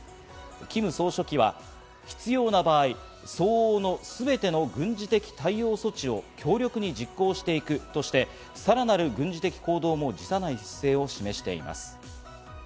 キム総書記は必要な場合、相応のすべての軍事的対応措置を強力に実行していくとしてさらなる軍事的行動も辞さない姿勢を示しています。